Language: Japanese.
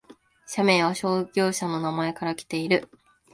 社名は創業者の名前からきている